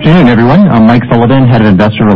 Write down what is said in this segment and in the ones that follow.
Good afternoon, everyone. I'm Mike Sullivan, Head of Investor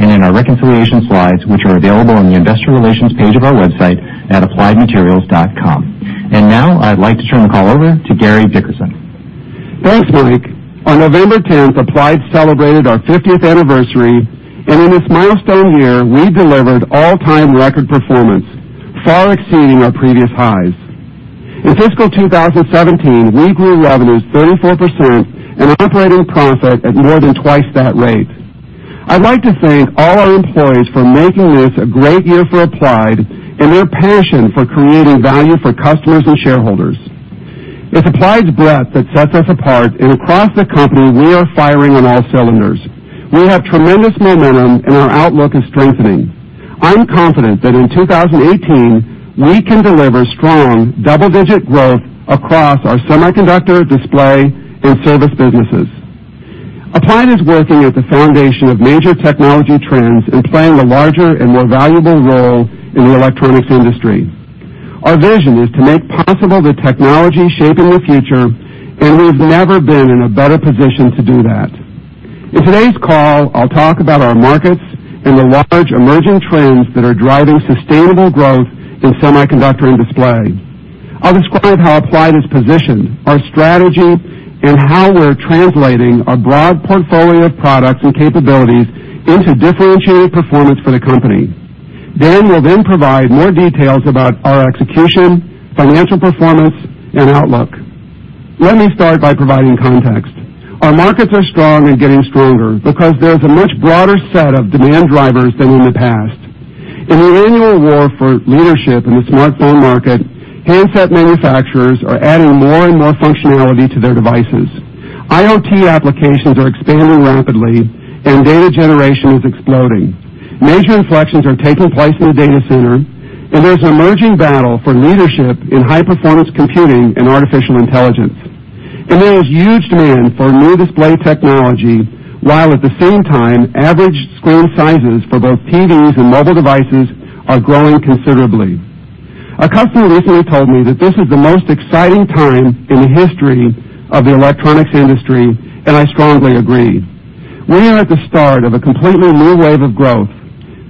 and in our reconciliation slides, which are available on the investor relations page of our website at appliedmaterials.com. Now I'd like to turn the call over to Gary Dickerson. Thanks, Mike. On November 10th, Applied celebrated our 50th anniversary, and in this milestone year, we delivered all-time record performance, far exceeding our previous highs. In fiscal 2017, we grew revenues 34% and operating profit at more than twice that rate. I'd like to thank all our employees for making this a great year for Applied and their passion for creating value for customers and shareholders. It's Applied's breadth that sets us apart, and across the company, we are firing on all cylinders. We have tremendous momentum, and our outlook is strengthening. I'm confident that in 2018, we can deliver strong double-digit growth across our semiconductor, display, and service businesses. Applied is working at the foundation of major technology trends and playing a larger and more valuable role in the electronics industry. Our vision is to make possible the technology shaping the future. We've never been in a better position to do that. In today's call, I'll talk about our markets and the large emerging trends that are driving sustainable growth in semiconductor and display. I'll describe how Applied is positioned, our strategy, and how we're translating a broad portfolio of products and capabilities into differentiated performance for the company. Dan will provide more details about our execution, financial performance, and outlook. Let me start by providing context. Our markets are strong and getting stronger because there's a much broader set of demand drivers than in the past. In the annual war for leadership in the smartphone market, handset manufacturers are adding more and more functionality to their devices. IoT applications are expanding rapidly, and data generation is exploding. Major inflections are taking place in the data center. There's an emerging battle for leadership in high-performance computing and artificial intelligence. There is huge demand for new display technology, while at the same time, average screen sizes for both TVs and mobile devices are growing considerably. A customer recently told me that this is the most exciting time in the history of the electronics industry, and I strongly agree. We are at the start of a completely new wave of growth.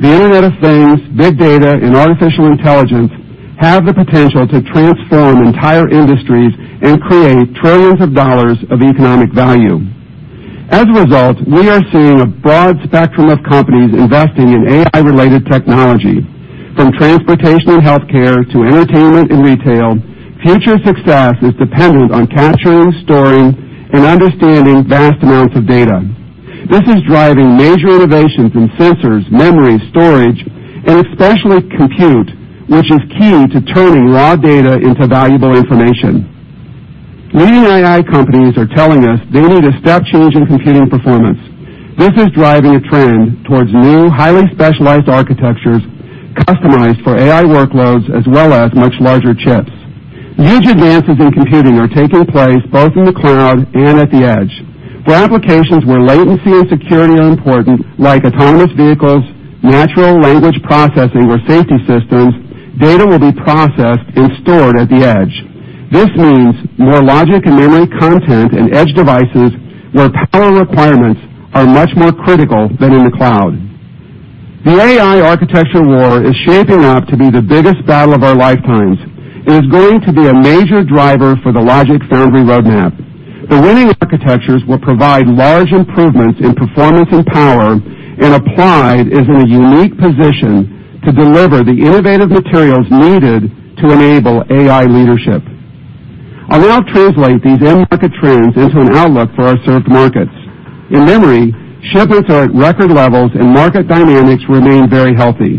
The Internet of Things, big data, and artificial intelligence have the potential to transform entire industries and create trillions of dollars of economic value. As a result, we are seeing a broad spectrum of companies investing in AI-related technology, from transportation and healthcare to entertainment and retail. Future success is dependent on capturing, storing, and understanding vast amounts of data. This is driving major innovations in sensors, memory, storage, and especially compute, which is key to turning raw data into valuable information. Leading AI companies are telling us they need a step change in computing performance. This is driving a trend towards new, highly specialized architectures customized for AI workloads, as well as much larger chips. Huge advances in computing are taking place both in the cloud and at the edge. For applications where latency and security are important, like autonomous vehicles, natural language processing or safety systems, data will be processed and stored at the edge. This means more logic and memory content and edge devices where power requirements are much more critical than in the cloud. The AI architecture war is shaping up to be the biggest battle of our lifetimes and is going to be a major driver for the logic foundry roadmap. The winning architectures will provide large improvements in performance and power. Applied is in a unique position to deliver the innovative materials needed to enable AI leadership. I'll now translate these end-market trends into an outlook for our served markets. In memory, shipments are at record levels, and market dynamics remain very healthy.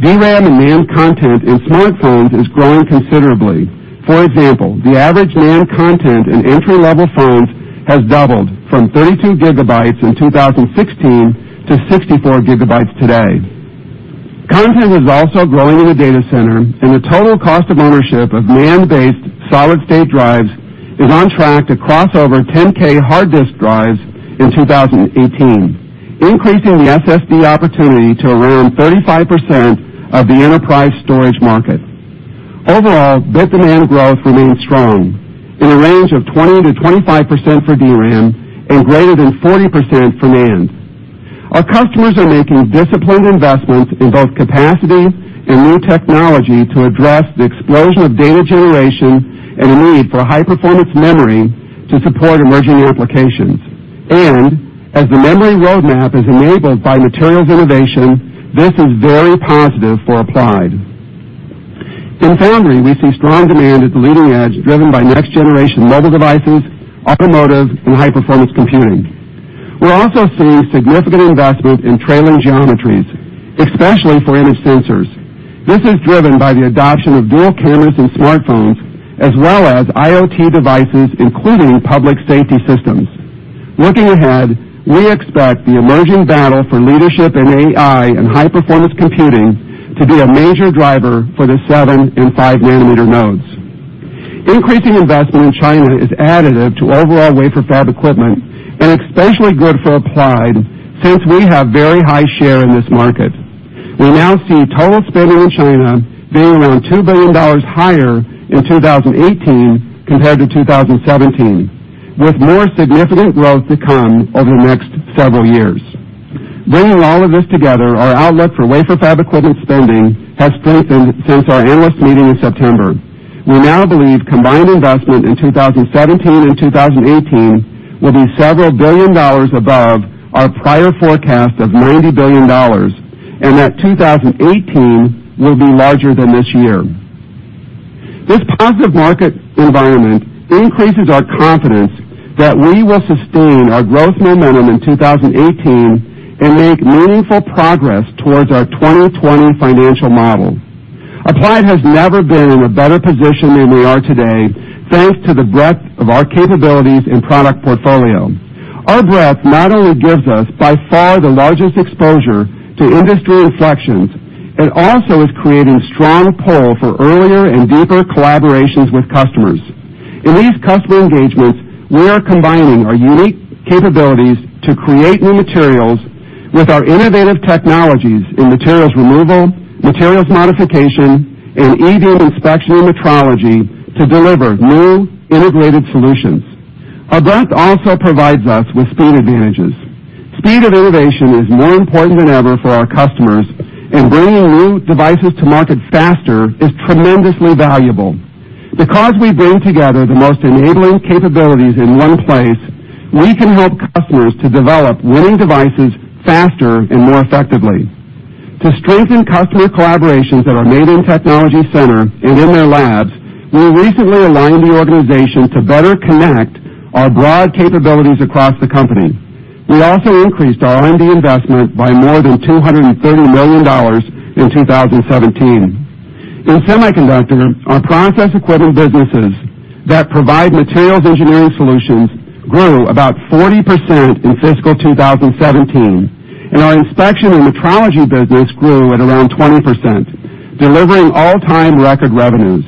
DRAM and NAND content in smartphones is growing considerably. For example, the average NAND content in entry-level phones has doubled from 32 GB in 2016 to 64 GB today. Content is also growing in the data center, and the total cost of ownership of NAND-based SSDs is on track to cross over 10,000 hard disk drives in 2018, increasing the SSD opportunity to around 35% of the enterprise storage market. Overall, bit demand growth remains strong in a range of 20%-25% for DRAM and greater than 40% for NAND. Our customers are making disciplined investments in both capacity and new technology to address the explosion of data generation and the need for high-performance memory to support emerging applications. As the memory roadmap is enabled by materials innovation, this is very positive for Applied. In foundry, we see strong demand at the leading edge, driven by next-generation mobile devices, automotive, and high-performance computing. We're also seeing significant investment in trailing geometries, especially for image sensors. This is driven by the adoption of dual cameras in smartphones, as well as IoT devices, including public safety systems. Looking ahead, we expect the emerging battle for leadership in AI and high-performance computing to be a major driver for the seven and five nanometer nodes. Increasing investment in China is additive to overall wafer fab equipment and especially good for Applied, since we have very high share in this market. We now see total spending in China being around $2 billion higher in 2018 compared to 2017, with more significant growth to come over the next several years. Bringing all of this together, our outlook for wafer fab equipment spending has strengthened since our analyst meeting in September. We now believe combined investment in 2017 and 2018 will be several billion dollars above our prior forecast of $90 billion and that 2018 will be larger than this year. This positive market environment increases our confidence that we will sustain our growth momentum in 2018 and make meaningful progress towards our 2020 financial model. Applied has never been in a better position than we are today, thanks to the breadth of our capabilities and product portfolio. Our breadth not only gives us by far the largest exposure to industry inflections, it also is creating strong pull for earlier and deeper collaborations with customers. In these customer engagements, we are combining our unique capabilities to create new materials with our innovative technologies in materials removal, materials modification, and e-beam inspection and metrology to deliver new integrated solutions. Our breadth also provides us with speed advantages. Speed of innovation is more important than ever for our customers, and bringing new devices to market faster is tremendously valuable. Because we bring together the most enabling capabilities in one place, we can help customers to develop winning devices faster and more effectively. To strengthen customer collaborations at our Maydan Technology Center and in their labs, we recently aligned the organization to better connect our broad capabilities across the company. We also increased our R&D investment by more than $230 million in 2017. In semiconductor, our process equipment businesses that provide materials engineering solutions grew about 40% in fiscal 2017, and our inspection and metrology business grew at around 20%, delivering all-time record revenues.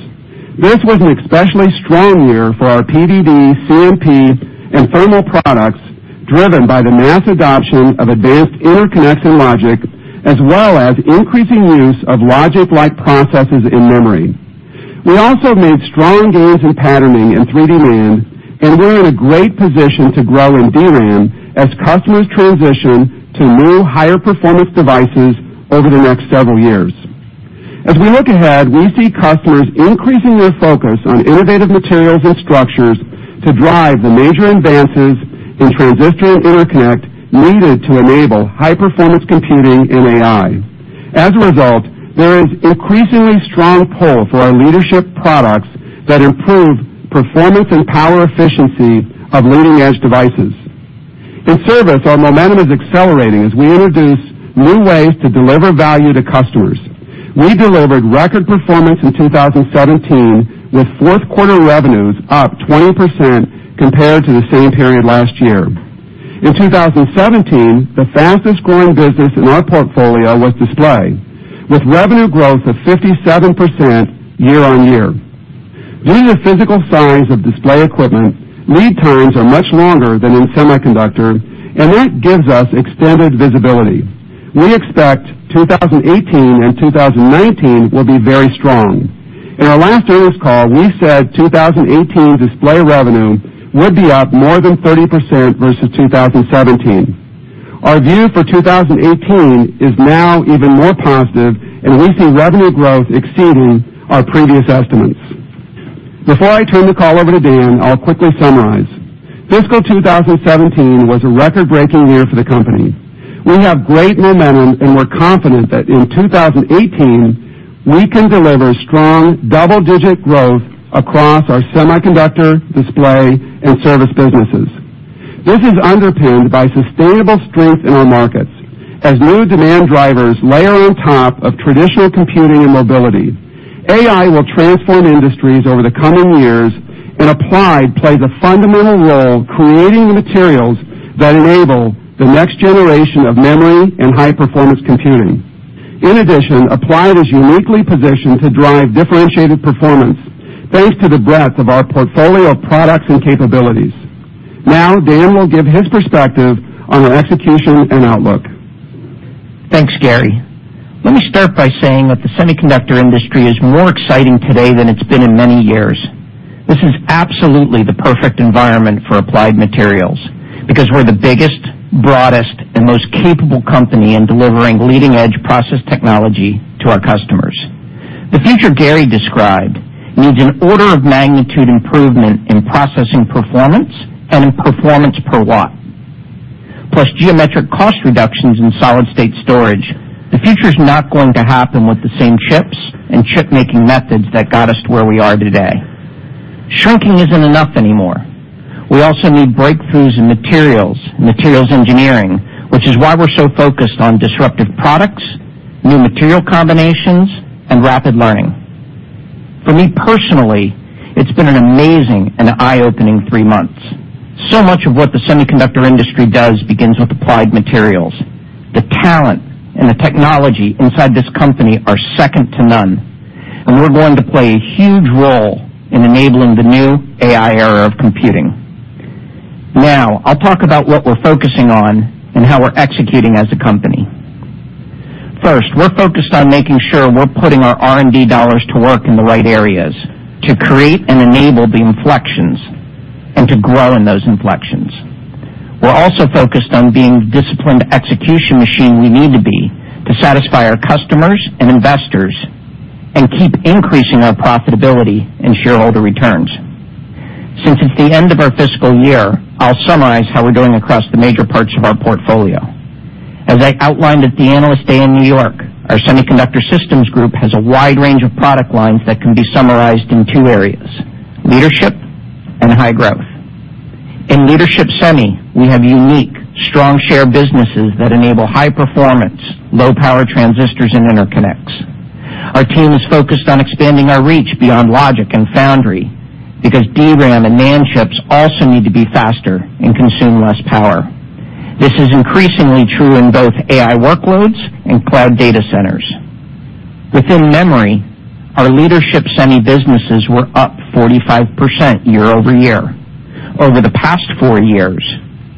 This was an especially strong year for our PVD, CMP, and thermal products, driven by the mass adoption of advanced interconnection logic as well as increasing use of logic-like processes in memory. We also made strong gains in patterning and 3D NAND, and we're in a great position to grow in DRAM as customers transition to new higher performance devices over the next several years. As we look ahead, we see customers increasing their focus on innovative materials and structures to drive the major advances in transistor interconnect needed to enable high-performance computing in AI. There is increasingly strong pull for our leadership products that improve performance and power efficiency of leading-edge devices. In service, our momentum is accelerating as we introduce new ways to deliver value to customers. We delivered record performance in 2017, with fourth quarter revenues up 20% compared to the same period last year. In 2017, the fastest-growing business in our portfolio was display, with revenue growth of 57% year-over-year. Due to the physical size of display equipment, lead times are much longer than in semiconductor, and that gives us extended visibility. We expect 2018 and 2019 will be very strong. In our last earnings call, we said 2018 display revenue would be up more than 30% versus 2017. Our view for 2018 is now even more positive, and we see revenue growth exceeding our previous estimates. Before I turn the call over to Dan, I'll quickly summarize. Fiscal 2017 was a record-breaking year for the company. We have great momentum, and we're confident that in 2018, we can deliver strong double-digit growth across our semiconductor, display, and service businesses. This is underpinned by sustainable strength in our markets as new demand drivers layer on top of traditional computing and mobility. AI will transform industries over the coming years, and Applied plays a fundamental role creating the materials that enable the next generation of memory and high-performance computing. In addition, Applied is uniquely positioned to drive differentiated performance thanks to the breadth of our portfolio of products and capabilities. Now, Dan will give his perspective on our execution and outlook. Thanks, Gary. Let me start by saying that the semiconductor industry is more exciting today than it's been in many years. This is absolutely the perfect environment for Applied Materials because we're the biggest, broadest, and most capable company in delivering leading-edge process technology to our customers. The future Gary described needs an order of magnitude improvement in processing performance and in performance per watt, plus geometric cost reductions in solid-state storage. The future's not going to happen with the same chips and chipmaking methods that got us to where we are today. Shrinking isn't enough anymore. We also need breakthroughs in materials engineering, which is why we're so focused on disruptive products, new material combinations, and rapid learning. For me personally, it's been an amazing and eye-opening three months. Much of what the semiconductor industry does begins with Applied Materials. The talent and the technology inside this company are second to none, and we're going to play a huge role in enabling the new AI era of computing. Now, I'll talk about what we're focusing on and how we're executing as a company. First, we're focused on making sure we're putting our R&D dollars to work in the right areas to create and enable the inflections and to grow in those inflections. We're also focused on being the disciplined execution machine we need to be to satisfy our customers and investors and keep increasing our profitability and shareholder returns. Since it's the end of our fiscal year, I'll summarize how we're doing across the major parts of our portfolio. As I outlined at the Analyst Day in New York, our Semiconductor Systems group has a wide range of product lines that can be summarized in two areas, leadership and high growth. In leadership semi, we have unique, strong share businesses that enable high performance, low power transistors and interconnects. Our team is focused on expanding our reach beyond logic and foundry because DRAM and NAND chips also need to be faster and consume less power. This is increasingly true in both AI workloads and cloud data centers. Within memory, our leadership semi businesses were up 45% year-over-year. Over the past four years,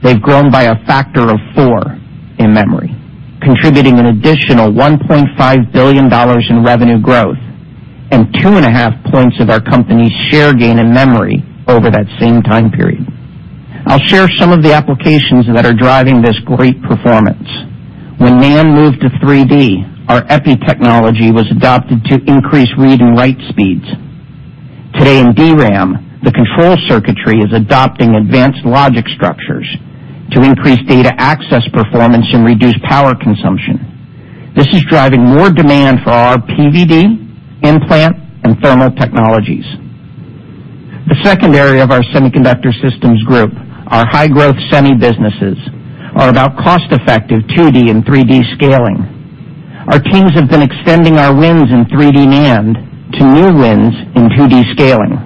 they've grown by a factor of four in memory, contributing an additional $1.5 billion in revenue growth and two and a half points of our company's share gain in memory over that same time period. I'll share some of the applications that are driving this great performance. When NAND moved to 3D, our Epi technology was adopted to increase read and write speeds. Today in DRAM, the control circuitry is adopting advanced logic structures to increase data access performance and reduce power consumption. This is driving more demand for our PVD, implant, and thermal technologies. The second area of our Semiconductor Systems group, our high-growth semi businesses, are about cost-effective 2D and 3D scaling. Our teams have been extending our wins in 3D NAND to new wins in 2D scaling.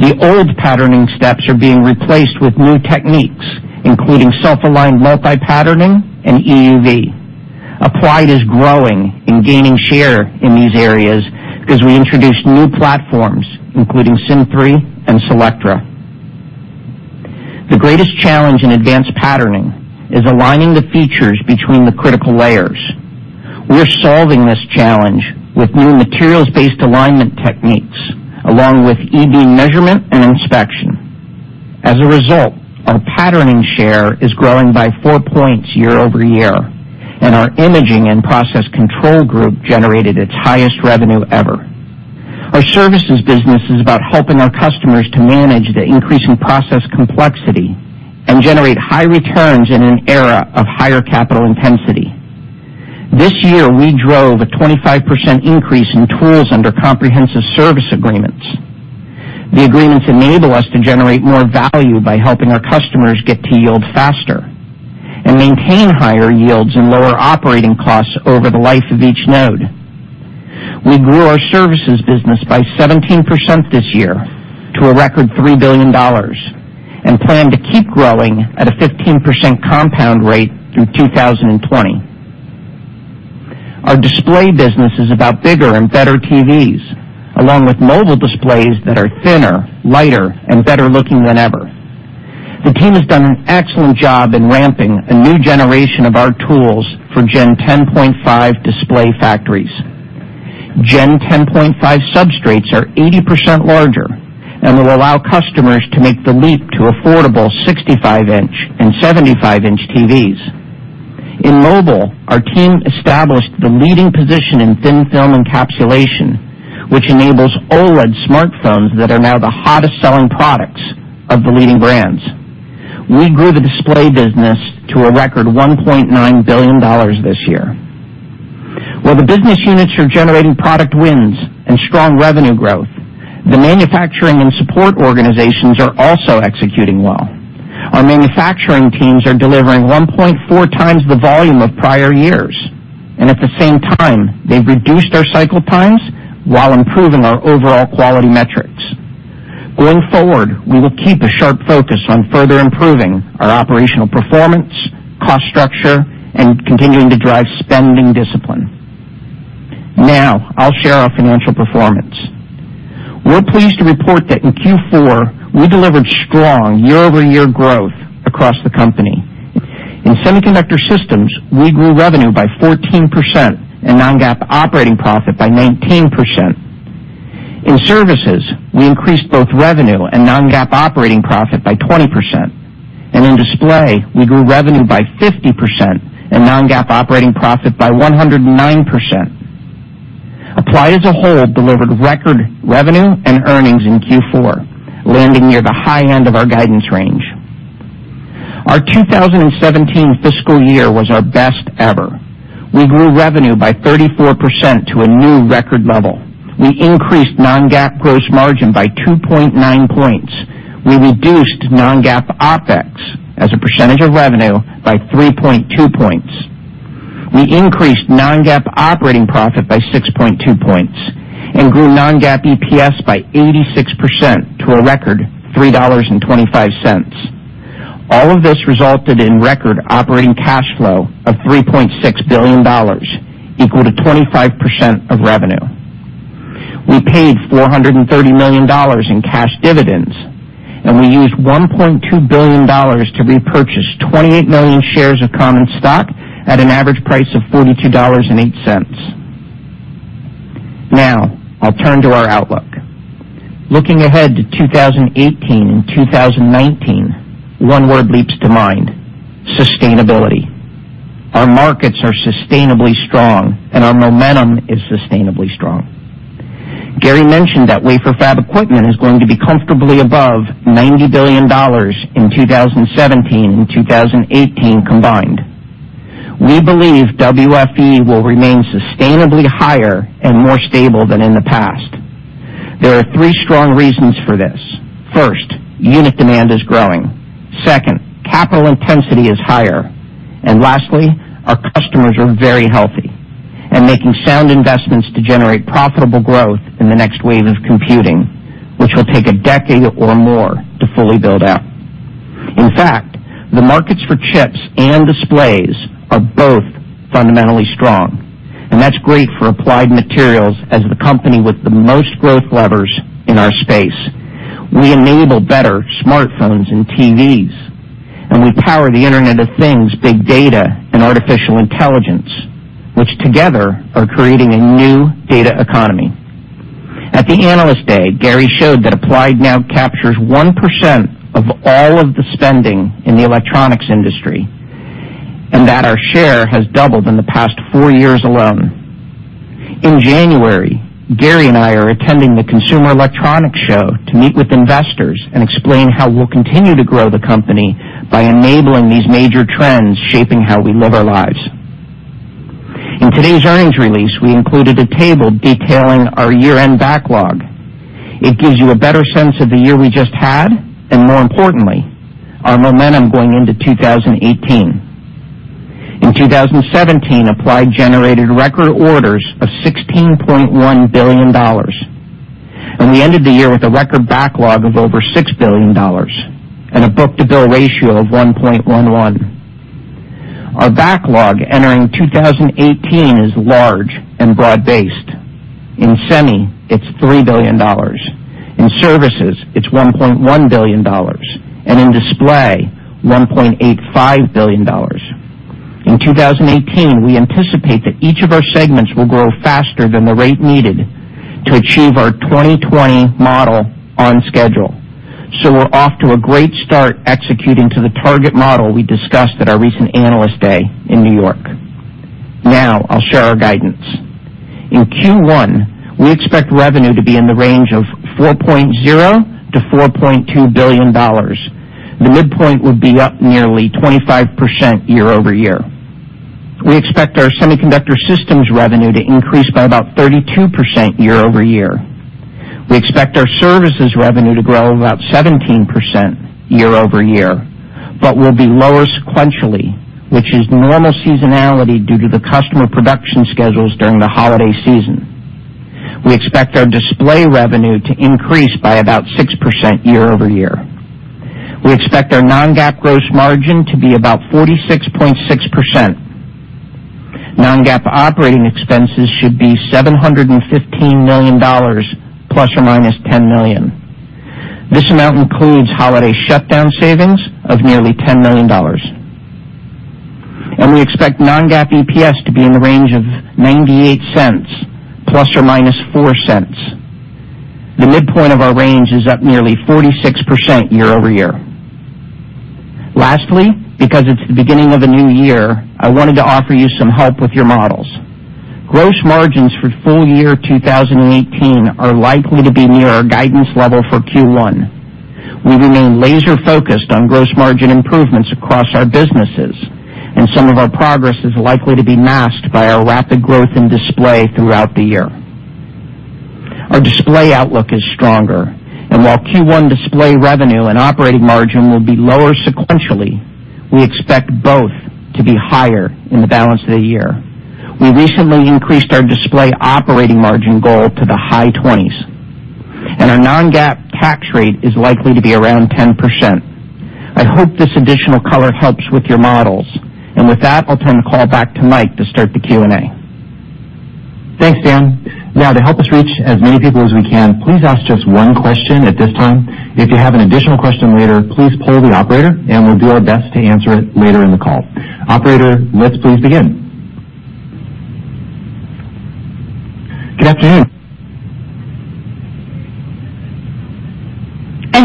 The old patterning steps are being replaced with new techniques, including self-aligned multi-patterning and EUV. Applied is growing and gaining share in these areas because we introduced new platforms, including Sym3 and Selectra. The greatest challenge in advanced patterning is aligning the features between the critical layers. We're solving this challenge with new materials-based alignment techniques, along with EUV measurement and inspection. As a result, our patterning share is growing by four points year-over-year, and our imaging and process control group generated its highest revenue ever. Our services business is about helping our customers to manage the increasing process complexity and generate high returns in an era of higher capital intensity. This year, we drove a 25% increase in tools under comprehensive service agreements. The agreements enable us to generate more value by helping our customers get to yield faster and maintain higher yields and lower operating costs over the life of each node. We grew our services business by 17% this year to a record $3 billion and plan to keep growing at a 15% compound rate through 2020. Our display business is about bigger and better TVs, along with mobile displays that are thinner, lighter, and better looking than ever. The team has done an excellent job in ramping a new generation of our tools for Gen 10.5 display factories. Gen 10.5 substrates are 80% larger and will allow customers to make the leap to affordable 65-inch and 75-inch TVs. In mobile, our team established the leading position in thin-film encapsulation, which enables OLED smartphones that are now the hottest selling products of the leading brands. We grew the display business to a record $1.9 billion this year. While the business units are generating product wins and strong revenue growth, the manufacturing and support organizations are also executing well. Our manufacturing teams are delivering 1.4 times the volume of prior years, and at the same time, they've reduced our cycle times while improving our overall quality metrics. Going forward, we will keep a sharp focus on further improving our operational performance, cost structure, and continuing to drive spending discipline. Now, I'll share our financial performance. We're pleased to report that in Q4, we delivered strong year-over-year growth across the company. In Semiconductor Systems, we grew revenue by 14% and non-GAAP operating profit by 19%. In services, we increased both revenue and non-GAAP operating profit by 20%, and in display, we grew revenue by 50% and non-GAAP operating profit by 109%. Applied as a whole delivered record revenue and earnings in Q4, landing near the high end of our guidance range. Our 2017 fiscal year was our best ever. We grew revenue by 34% to a new record level. We increased non-GAAP gross margin by 2.9 points. We reduced non-GAAP OPEX as a percentage of revenue by 3.2 points. We increased non-GAAP operating profit by 6.2 points and grew non-GAAP EPS by 86% to a record $3.25. All of this resulted in record operating cash flow of $3.6 billion, equal to 25% of revenue. We paid $430 million in cash dividends, and we used $1.2 billion to repurchase 28 million shares of common stock at an average price of $42.08. Now, I'll turn to our outlook. Looking ahead to 2018 and 2019, one word leaps to mind: sustainability. Our markets are sustainably strong, and our momentum is sustainably strong. Gary mentioned that wafer fab equipment is going to be comfortably above $90 billion in 2017 and 2018 combined. We believe WFE will remain sustainably higher and more stable than in the past. There are three strong reasons for this. First, unit demand is growing. Second, capital intensity is higher. Lastly, our customers are very healthy and making sound investments to generate profitable growth in the next wave of computing, which will take a decade or more to fully build out. In fact, the markets for chips and displays are both fundamentally strong, and that's great for Applied Materials as the company with the most growth levers in our space. We enable better smartphones and TVs, and we power the Internet of Things, big data, and artificial intelligence, which together are creating a new data economy. At the Analyst Day, Gary showed that Applied now captures 1% of all of the spending in the electronics industry and that our share has doubled in the past four years alone. In January, Gary and I are attending the Consumer Electronics Show to meet with investors and explain how we'll continue to grow the company by enabling these major trends shaping how we live our lives. In today's earnings release, we included a table detailing our year-end backlog. It gives you a better sense of the year we just had and, more importantly, our momentum going into 2018. In 2017, Applied generated record orders of $16.1 billion. We ended the year with a record backlog of over $6 billion and a book-to-bill ratio of 1.11. Our backlog entering 2018 is large and broad-based. In semi, it's $3 billion. In services, it's $1.1 billion. In display, $1.85 billion. In 2018, we anticipate that each of our segments will grow faster than the rate needed to achieve our 2020 model on schedule. We're off to a great start executing to the target model we discussed at our recent Analyst Day in New York. Now I'll share our guidance. In Q1, we expect revenue to be in the range of $4.0 billion-$4.2 billion. The midpoint would be up nearly 25% year-over-year. We expect our Semiconductor Systems revenue to increase by about 32% year-over-year. We expect our services revenue to grow about 17% year-over-year but will be lower sequentially, which is normal seasonality due to the customer production schedules during the holiday season. We expect our display revenue to increase by about 6% year-over-year. We expect our non-GAAP gross margin to be about 46.6%. Non-GAAP operating expenses should be $715 million ±$10 million. This amount includes holiday shutdown savings of nearly $10 million. We expect non-GAAP EPS to be in the range of $0.98 ±$0.04. The midpoint of our range is up nearly 46% year-over-year. Lastly, because it's the beginning of a new year, I wanted to offer you some help with your models. Gross margins for full year 2018 are likely to be near our guidance level for Q1. We remain laser-focused on gross margin improvements across our businesses, and some of our progress is likely to be masked by our rapid growth in display throughout the year. Our display outlook is stronger, and while Q1 display revenue and operating margin will be lower sequentially, we expect both to be higher in the balance of the year. We recently increased our display operating margin goal to the high 20s, and our non-GAAP tax rate is likely to be around 10%. I hope this additional color helps with your models. With that, I'll turn the call back to Mike to start the Q&A. Thanks, Dan. To help us reach as many people as we can, please ask just one question at this time. If you have an additional question later, please poll the operator, and we'll do our best to answer it later in the call. Operator, let's please begin. Good afternoon.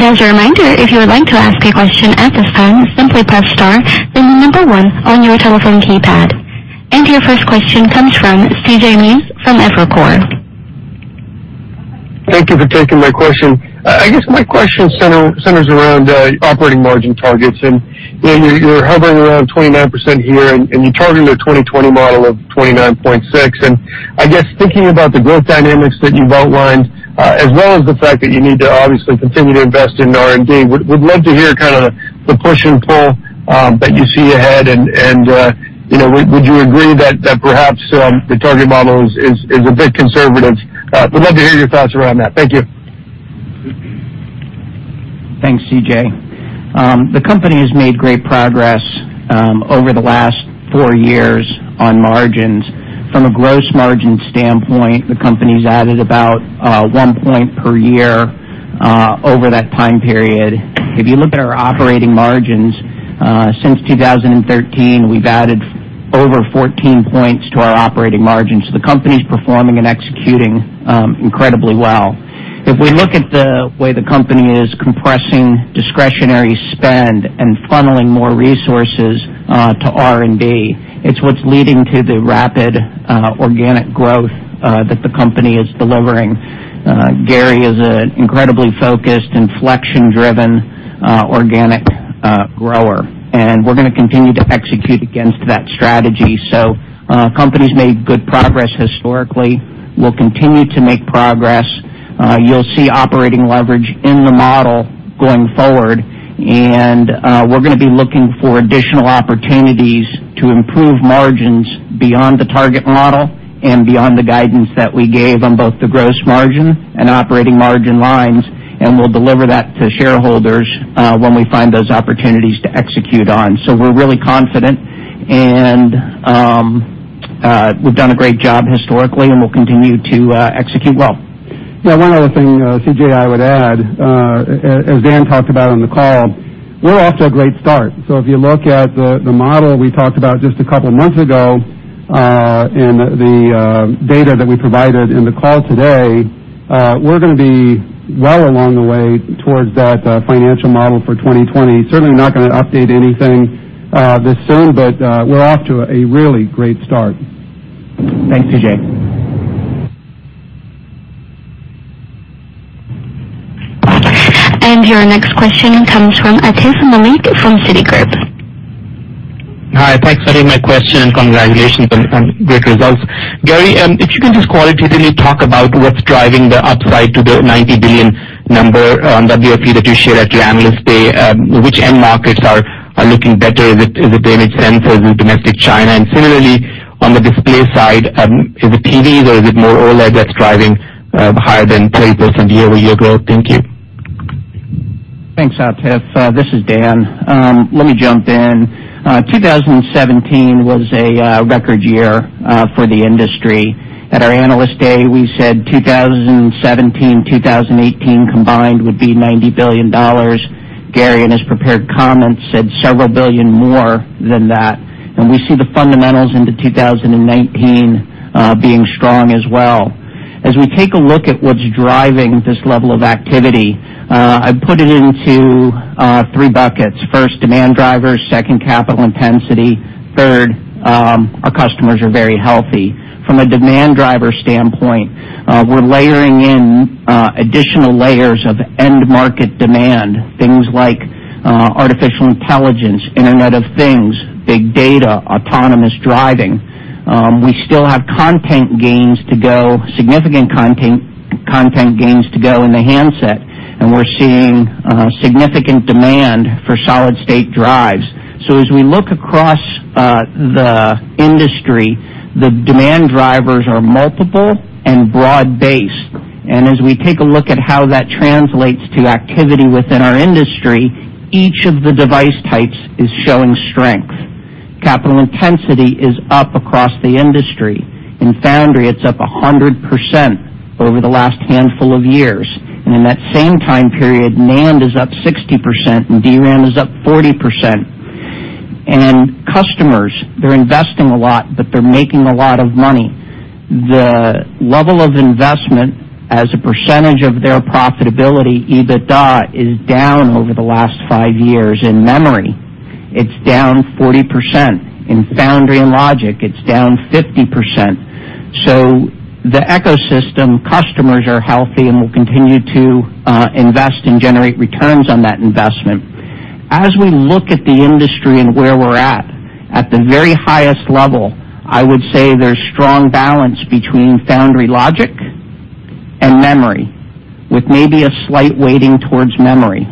As a reminder, if you would like to ask a question at this time, simply press star then the number one on your telephone keypad. Your first question comes from C.J. Muse from Evercore. Thank you for taking my question. I guess my question centers around operating margin targets, you're hovering around 29% here, and you targeted a 2020 model of 29.6. I guess thinking about the growth dynamics that you've outlined, as well as the fact that you need to obviously continue to invest in R&D, would love to hear the push and pull that you see ahead, and would you agree that perhaps the target model is a bit conservative? Would love to hear your thoughts around that. Thank you. Thanks, C.J. The company has made great progress over the last four years on margins. From a gross margin standpoint, the company's added about one point per year over that time period. If you look at our operating margins since 2013, we've added over 14 points to our operating margins. The company's performing and executing incredibly well. If we look at the way the company is compressing discretionary spend and funneling more resources to R&D, it's what's leading to the rapid organic growth that the company is delivering. Gary is an incredibly focused inflection-driven organic grower, we're going to continue to execute against that strategy. The company's made good progress historically, will continue to make progress. You'll see operating leverage in the model going forward, we're going to be looking for additional opportunities to improve margins beyond the target model and beyond the guidance that we gave on both the gross margin and operating margin lines, we'll deliver that to shareholders when we find those opportunities to execute on. We're really confident, we've done a great job historically, we'll continue to execute well. One other thing, C.J., I would add, as Dan talked about on the call, we're off to a great start. If you look at the model we talked about just a couple of months ago, the data that we provided in the call today, we're going to be well along the way towards that financial model for 2020. Certainly not going to update anything this soon, we're off to a really great start. Thanks, C.J. Your next question comes from Atif Malik from Citigroup. Hi. Thanks for taking my question, congratulations on great results. Gary, if you can just qualitatively talk about what's driving the upside to the $90 billion number on WFE that you shared at your Analyst Day, which end markets are looking better? Is it image sensors in domestic China? Similarly, on the display side, is it TVs or is it more OLED that's driving higher than 20% year-over-year growth? Thank you. Thanks, Atif. This is Dan. Let me jump in. 2017 was a record year for the industry. At our Analyst Day, we said 2017, 2018 combined would be $90 billion. Gary, in his prepared comments, said several billion more than that. We see the fundamentals into 2019 being strong as well. As we take a look at what's driving this level of activity, I put it into three buckets. First, demand drivers, second, capital intensity, third, our customers are very healthy. From a demand driver standpoint, we're layering in additional layers of end market demand, things like artificial intelligence, Internet of Things, big data, autonomous driving. We still have content gains to go, significant content gains to go in the handset, and we're seeing significant demand for solid-state drives. As we look across the industry, the demand drivers are multiple and broad-based. As we take a look at how that translates to activity within our industry, each of the device types is showing strength. Capital intensity is up across the industry. In foundry, it's up 100% over the last handful of years. In that same time period, NAND is up 60% and DRAM is up 40%. Customers, they're investing a lot, but they're making a lot of money. The level of investment as a percentage of their profitability, EBITDA, is down over the last five years. In memory, it's down 40%. In foundry and logic, it's down 50%. The ecosystem customers are healthy and will continue to invest and generate returns on that investment. As we look at the industry and where we're at the very highest level, I would say there's strong balance between foundry logic and memory, with maybe a slight weighting towards memory.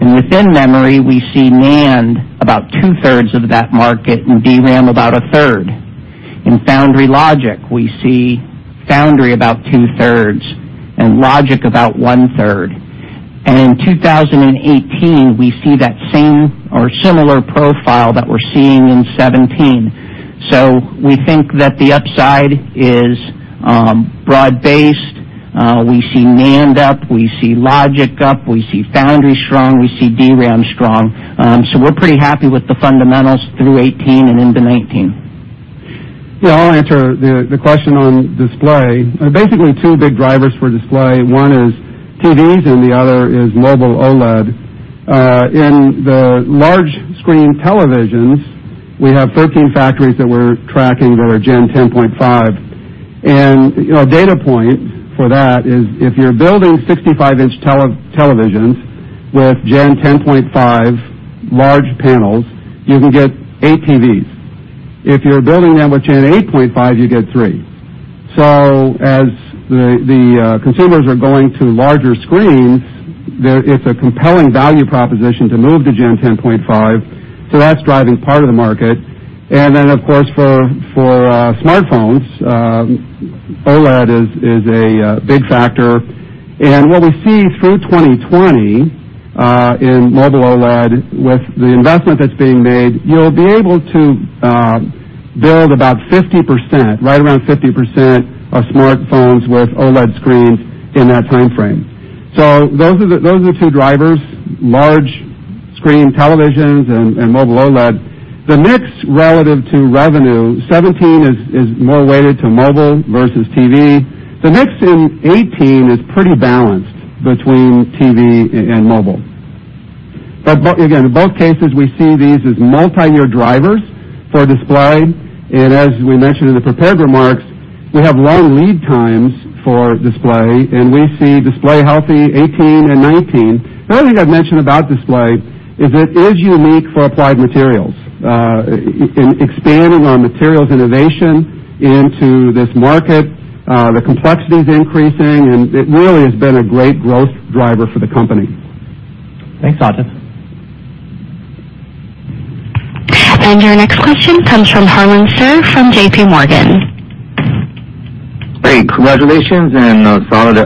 Within memory, we see NAND about two-thirds of that market and DRAM about a third. In foundry logic, we see foundry about two-thirds and logic about one-third. In 2018, we see that same or similar profile that we're seeing in 2017. We think that the upside is broad-based. We see NAND up, we see logic up, we see foundry strong, we see DRAM strong. We're pretty happy with the fundamentals through 2018 and into 2019. Yeah, I'll answer the question on display. Basically, two big drivers for display. One is TVs, and the other is mobile OLED. In the large screen televisions, we have 13 factories that we're tracking that are Gen 10.5, and a data point for that is if you're building 65-inch televisions with Gen 10.5 large panels, you can get eight TVs. If you're building them with Gen 8.5, you get three. As the consumers are going to larger screens, it's a compelling value proposition to move to Gen 10.5. That's driving part of the market. Then, of course, for smartphones, OLED is a big factor. What we see through 2020, in mobile OLED, with the investment that's being made, you'll be able to build about 50%, right around 50% of smartphones with OLED screens in that timeframe. Those are the two drivers, large screen televisions and mobile OLED. The mix relative to revenue, 2017 is more weighted to mobile versus TV. The mix in 2018 is pretty balanced between TV and mobile. Again, in both cases, we see these as multi-year drivers for display, and as we mentioned in the prepared remarks, we have long lead times for display, and we see display healthy 2018 and 2019. The other thing I'd mention about display is it is unique for Applied Materials. In expanding our materials innovation into this market, the complexity is increasing, and it really has been a great growth driver for the company. Thanks, Atif. Your next question comes from Harlan Sur from JP Morgan. Hey, congratulations on the solid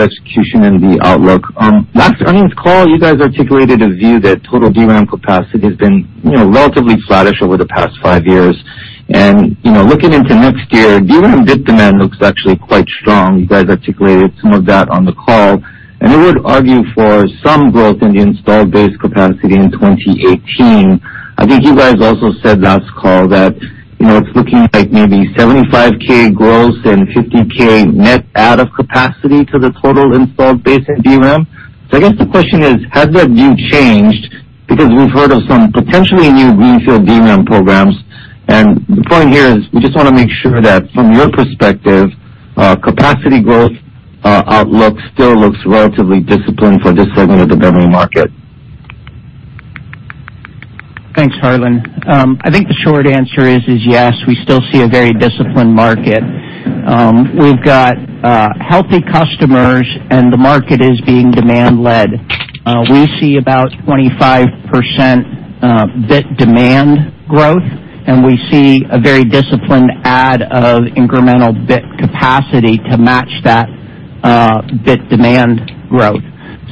execution and the outlook. On last earnings call, you guys articulated a view that total DRAM capacity has been relatively flattish over the past five years. Looking into next year, DRAM bit demand looks actually quite strong. You guys articulated some of that on the call, and it would argue for some growth in the installed base capacity in 2018. I think you guys also said last call that it's looking like maybe 75K growth and 50K net add of capacity to the total installed base in DRAM. I guess the question is, has that view changed? Because we've heard of some potentially new greenfield DRAM programs, and the point here is we just want to make sure that from your perspective, capacity growth outlook still looks relatively disciplined for this segment of the memory market. Thanks, Harlan. I think the short answer is yes, we still see a very disciplined market. We've got healthy customers, and the market is being demand led. We see about 25% bit demand growth, and we see a very disciplined add of incremental bit capacity to match that bit demand growth.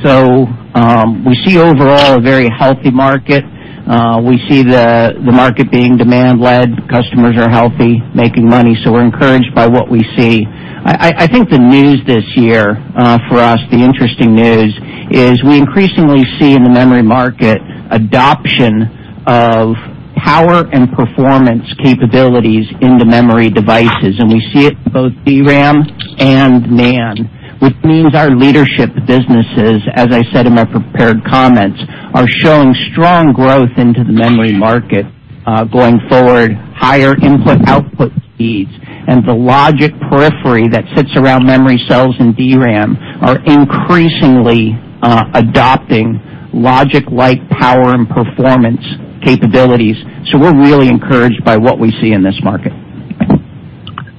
We see overall a very healthy market. We see the market being demand led. Customers are healthy, making money, so we're encouraged by what we see. I think the news this year for us, the interesting news is we increasingly see in the memory market adoption of power and performance capabilities into memory devices, and we see it in both DRAM and NAND, which means our leadership businesses, as I said in my prepared comments, are showing strong growth into the memory market going forward, higher input-output speeds, and the logic periphery that sits around memory cells in DRAM are increasingly adopting logic-like power and performance capabilities. We're really encouraged by what we see in this market.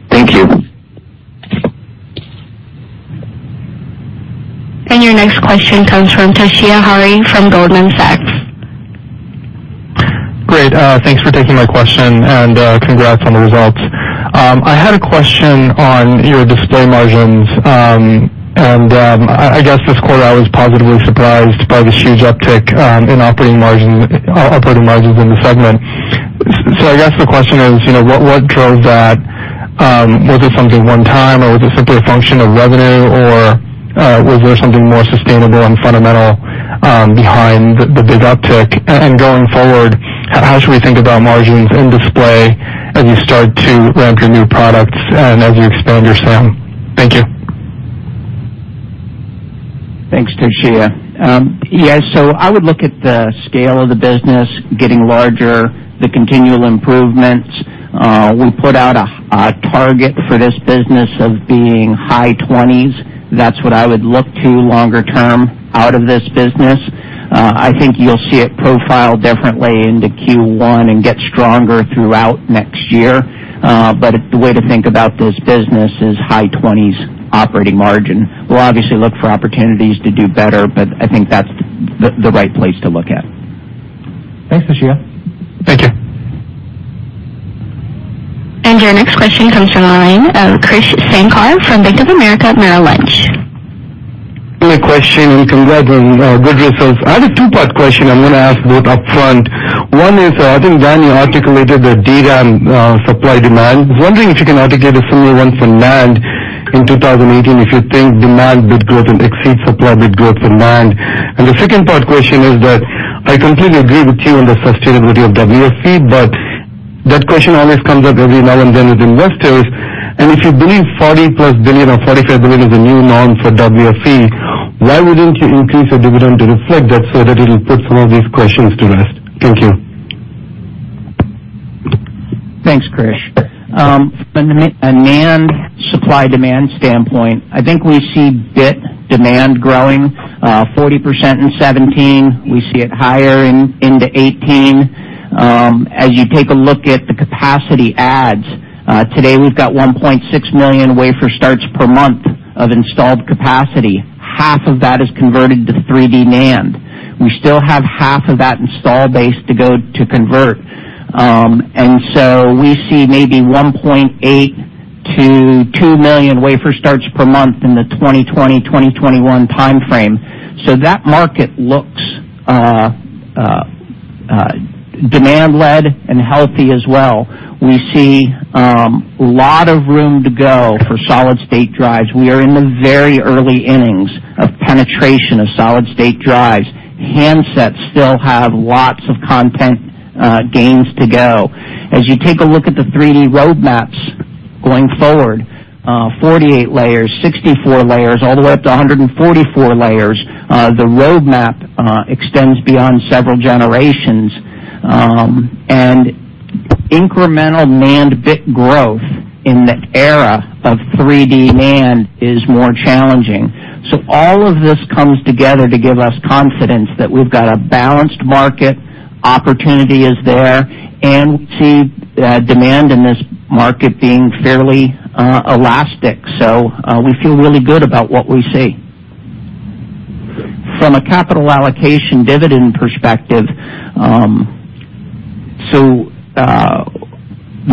Thank you. Your next question comes from Toshiya Hari from Goldman Sachs. Great. Thanks for taking my question, and congrats on the results. I had a question on your display margins. I guess this quarter, I was positively surprised by the huge uptick in operating margins in the segment. I guess the question is, what drove that? Was it something one-time, or was it simply a function of revenue, or was there something more sustainable and fundamental behind the big uptick? Going forward, how should we think about margins in display as you start to ramp your new products and as you expand your SAM? Thank you. Thanks, Toshiya. I would look at the scale of the business getting larger, the continual improvements. We put out a target for this business of being high 20s. That's what I would look to longer term out of this business. I think you'll see it profiled differently into Q1 and get stronger throughout next year. The way to think about this business is high 20s operating margin. We'll obviously look for opportunities to do better, but I think that's the right place to look at. Thanks, Toshiya. Thank you. Your next question comes from the line of Krish Sankar from Bank of America Merrill Lynch. A question. Congrats on good results. I had a two-part question. I am going to ask both upfront. One is, I think, Dan, you articulated the DRAM supply-demand. I was wondering if you can articulate a similar one for NAND in 2018, if you think demand bit growth and exceed supply bit growth for NAND. The second part question is that I completely agree with you on the sustainability of WFE, but that question always comes up every now and then with investors. If you believe $40-plus billion or $45 billion is the new norm for WFE, why would not you increase your dividend to reflect that so that it will put some of these questions to rest? Thank you. Thanks, Krish. From a NAND supply-demand standpoint, I think we see bit demand growing 40% in 2017. We see it higher into 2018. As you take a look at the capacity adds, today we have got 1.6 million wafer starts per month of installed capacity. Half of that is converted to 3D NAND. We still have half of that install base to go to convert. We see maybe 1.8 to 2 million wafer starts per month in the 2020, 2021 timeframe. That market looks demand-led and healthy as well. We see a lot of room to go for solid-state drives. We are in the very early innings of penetration of solid-state drives. Handsets still have lots of content gains to go. As you take a look at the 3D roadmaps going forward, 48 layers, 64 layers, all the way up to 144 layers, the roadmap extends beyond several generations. Incremental NAND bit growth in the era of 3D NAND is more challenging. All of this comes together to give us confidence that we have got a balanced market, opportunity is there, and to demand in this market being fairly elastic. We feel really good about what we see. From a capital allocation dividend perspective,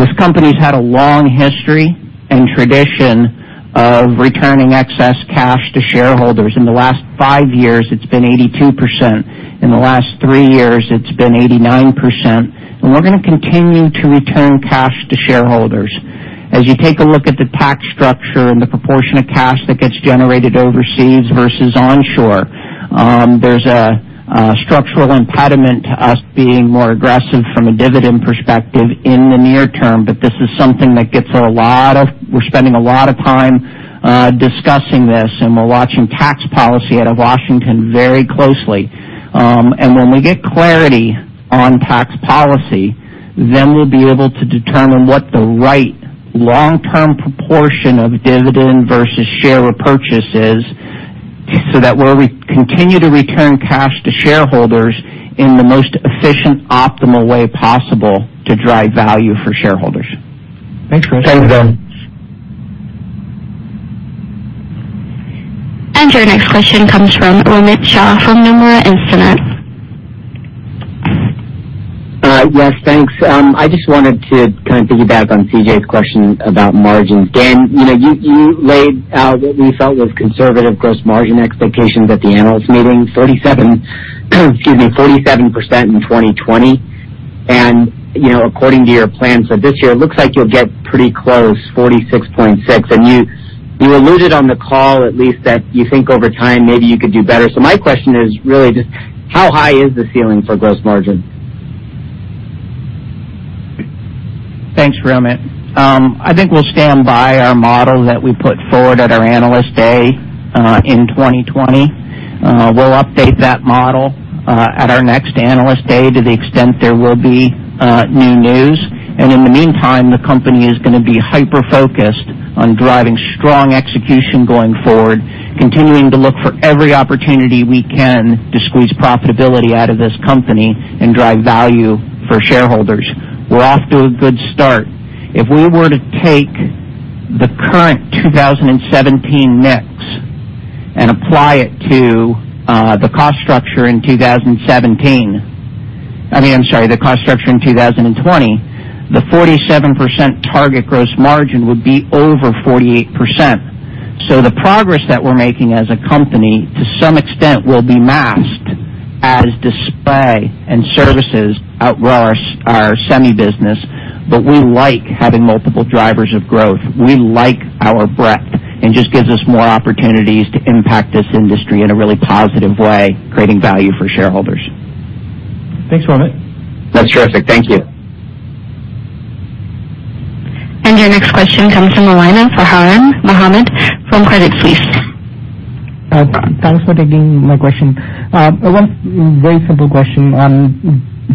this company has had a long history and tradition of returning excess cash to shareholders. In the last 5 years, it has been 82%. In the last 3 years, it has been 89%, and we are going to continue to return cash to shareholders. As you take a look at the tax structure and the proportion of cash that gets generated overseas versus onshore, there is a structural impediment to us being more aggressive from a dividend perspective in the near term. This is something that we are spending a lot of time discussing this, and we are watching tax policy out of Washington very closely. When we get clarity on tax policy, then we will be able to determine what the right long-term proportion of dividend versus share repurchase is, so that we continue to return cash to shareholders in the most efficient, optimal way possible to drive value for shareholders. Thanks, Krish. Thanks, Dan. Your next question comes from Romit Shah from Nomura Instinet. Yes, thanks. I just wanted to kind of piggyback on C.J.'s question about margins. Dan, you laid out what we felt was conservative gross margin expectations at the analyst meeting, 47% in 2020. According to your plans for this year, it looks like you'll get pretty close, 46.6%. You alluded on the call at least that you think over time maybe you could do better. My question is really just how high is the ceiling for gross margin? Thanks, Romit. I think we'll stand by our model that we put forward at our Analyst Day in 2020. We'll update that model at our next Analyst Day to the extent there will be new news. In the meantime, the company is going to be hyper-focused on driving strong execution going forward, continuing to look for every opportunity we can to squeeze profitability out of this company and drive value for shareholders. We're off to a good start. If we were to take the current 2017 mix and apply it to the cost structure in 2017, I mean, I'm sorry, the cost structure in 2020, the 47% target gross margin would be over 48%. The progress that we're making as a company, to some extent, will be masked as display and services outgrow our semi business, but we like having multiple drivers of growth. We like our breadth. It just gives us more opportunities to impact this industry in a really positive way, creating value for shareholders. Thanks, Romit. That's terrific. Thank you. Your next question comes from the line of Farhan Ahmad from Credit Suisse. Thanks for taking my question. One very simple question on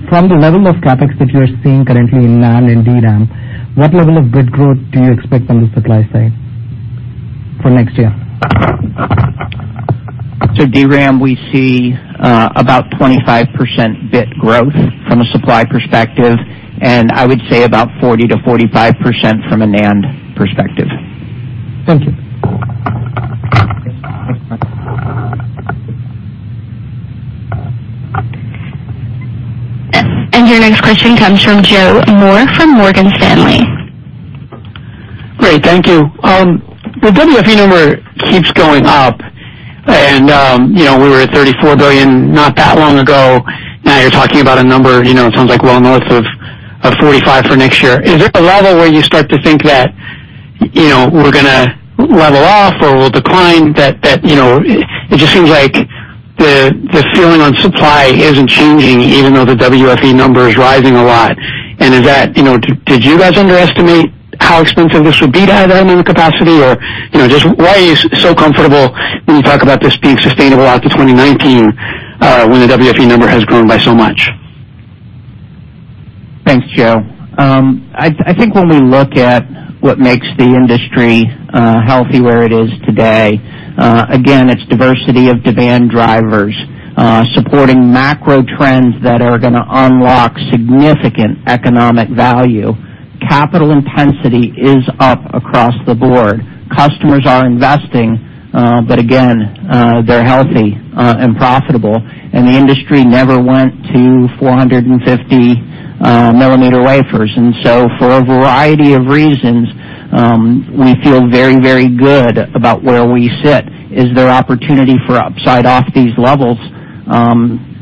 from the level of CapEx that you are seeing currently in NAND and DRAM, what level of bit growth do you expect on the supply side for next year? DRAM, we see about 25% bit growth from a supply perspective, and I would say about 40%-45% from a NAND perspective. Thank you. Your next question comes from Joseph Moore from Morgan Stanley. Great. Thank you. The WFE number keeps going up, and we were at $34 billion not that long ago. Now you're talking about a number, it sounds like well north of $45 billion for next year. Is there a level where you start to think that we're going to level off or we'll decline? It just seems like the feeling on supply isn't changing, even though the WFE number is rising a lot. Did you guys underestimate how expensive this would be to add that many capacity, or just why are you so comfortable when you talk about this being sustainable out to 2019, when the WFE number has grown by so much? Thanks, Joe. I think when we look at what makes the industry healthy where it is today, again, it's diversity of demand drivers supporting macro trends that are going to unlock significant economic value. Capital intensity is up across the board. Customers are investing, but again, they're healthy and profitable, and the industry never went to 450-millimeter wafers. For a variety of reasons, we feel very good about where we sit. Is there opportunity for upside off these levels?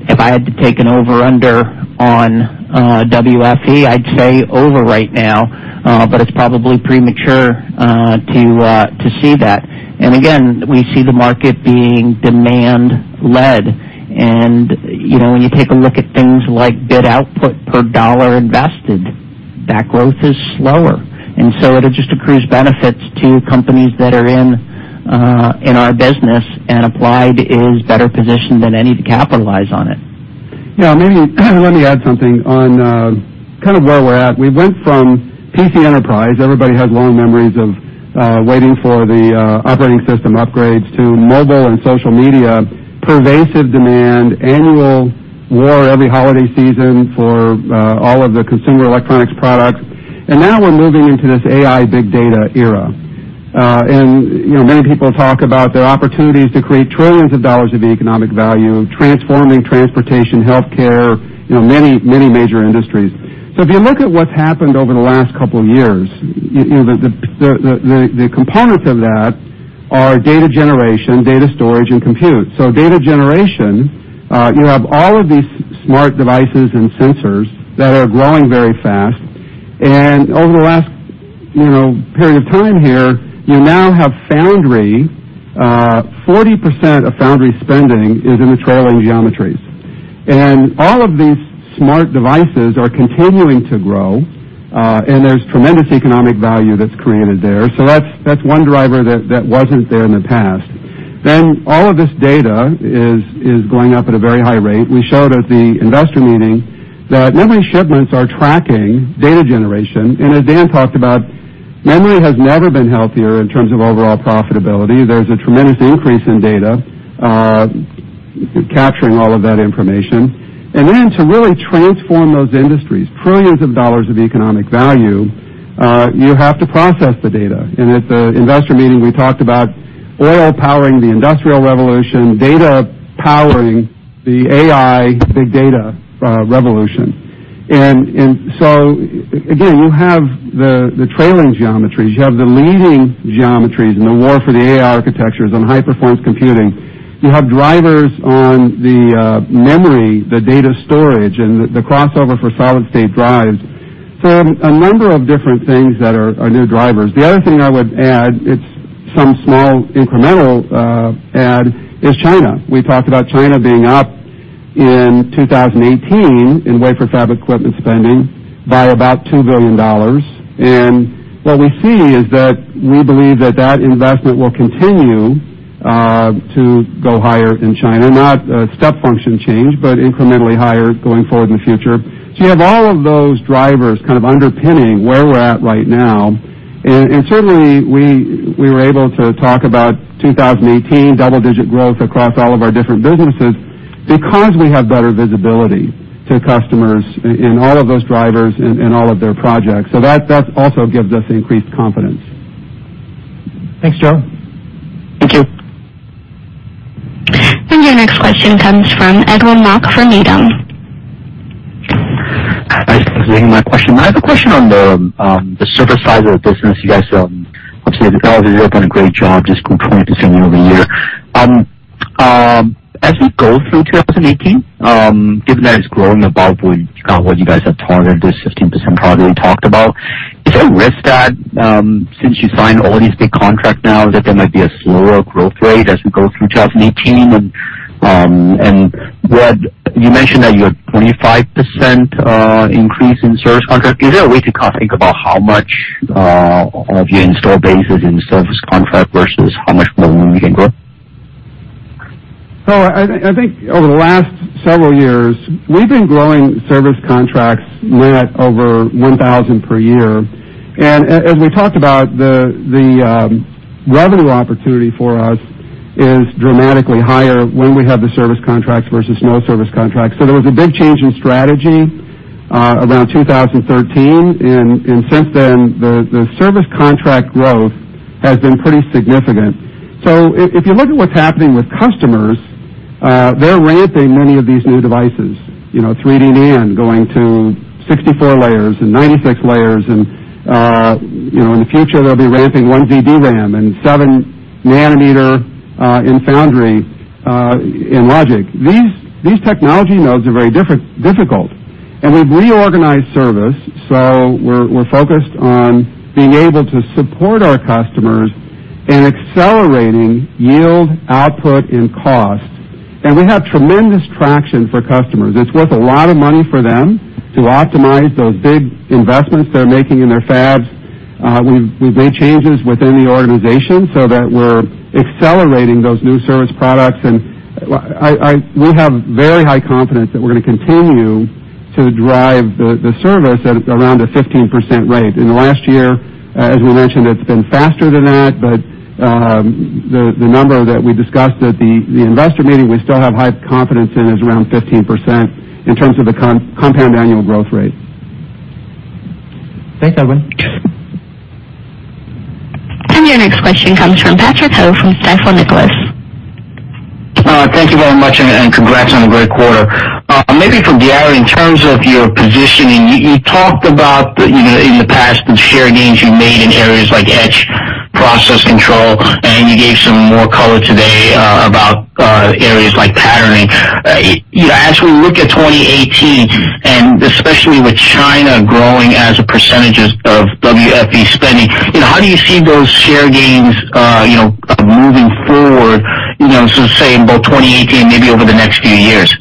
If I had to take an over-under on WFE, I'd say over right now, but it's probably premature to see that. Again, we see the market being demand-led, and when you take a look at things like bit output per dollar invested, that growth is slower, and so it just accrues benefits to companies that are in our business, and Applied is better positioned than any to capitalize on it. Yeah. Maybe let me add something on where we're at. We went from PC enterprise. Everybody has long memories of waiting for the operating system upgrades to mobile and social media, pervasive demand, annual war every holiday season for all of the consumer electronics products. Now we're moving into this AI big data era. Many people talk about their opportunities to create trillions of dollars of economic value, transforming transportation, healthcare, many major industries. If you look at what's happened over the last couple of years, the components of that are data generation, data storage, and compute. Data generation, you have all of these smart devices and sensors that are growing very fast, and over the last period of time here, you now have foundry. 40% of foundry spending is in the trailing geometries, and all of these smart devices are continuing to grow, and there's tremendous economic value that's created there. That's one driver that wasn't there in the past. All of this data is going up at a very high rate. We showed at the investor meeting that memory shipments are tracking data generation, and as Dan talked about, memory has never been healthier in terms of overall profitability. There's a tremendous increase in data, capturing all of that information. To really transform those industries, trillions of dollars of economic value, you have to process the data, and at the investor meeting, we talked about oil powering the Industrial Revolution, data powering the AI, big data revolution. Again, you have the trailing geometries. You have the leading geometries, and the war for the AI architectures on high-performance computing. You have drivers on the memory, the data storage, and the crossover for solid-state drives. A number of different things that are new drivers. The other thing I would add, it's some small incremental add, is China. We talked about China being up in 2018 in wafer fab equipment spending by about $2 billion, and what we see is that we believe that that investment will continue to go higher in China, not a step function change, but incrementally higher going forward in the future. You have all of those drivers underpinning where we're at right now, and certainly, we were able to talk about 2018 double-digit growth across all of our different businesses because we have better visibility to customers in all of those drivers and all of their projects. That also gives us increased confidence. Thanks, Joe. Thank you. Your next question comes from Edwin Mok from Needham. Thanks for taking my question. I have a question on the service side of the business. You guys, obviously, have done a great job just growing it to 70 over the year. As we go through 2018, given that it's growing above what you guys have targeted, this 15% probably we talked about, is there a risk that since you signed all these big contracts now that there might be a slower growth rate as we go through 2018? You mentioned that you had 25% increase in service contracts. Is there a way to kind of think about how much of your install base is in service contract versus how much more room you can grow? I think over the last several years, we've been growing service contracts net over 1,000 per year. As we talked about, the revenue opportunity for us is dramatically higher when we have the service contracts versus no service contracts. There was a big change in strategy around 2013, and since then, the service contract growth has been pretty significant. If you look at what's happening with customers, they're ramping many of these new devices. 3D NAND going to 64 layers and 96 layers, and in the future, they'll be ramping 1z DRAM and 7 nanometer in foundry, in logic. These technology nodes are very difficult, and we've reorganized service. We're focused on being able to support our customers in accelerating yield output and cost. We have tremendous traction for customers. It's worth a lot of money for them to optimize those big investments they're making in their fabs. We've made changes within the organization so that we're accelerating those new service products, and we have very high confidence that we're going to continue to drive the service at around a 15% rate. In the last year, as we mentioned, it's been faster than that, but the number that we discussed at the investor meeting, we still have high confidence in is around 15% in terms of the compound annual growth rate. Thanks, Edwin. Your next question comes from Patrick Ho from Stifel Nicolaus. Thank you very much, and congrats on a great quarter. Maybe for Gary, in terms of your positioning, you talked about in the past, the share gains you made in areas like etch, process control, and you gave some more color today about areas like patterning. As we look at 2018, and especially with China growing as a percentage of WFE spending, how do you see those share gains moving forward, so say in both 2018, maybe over the next few years?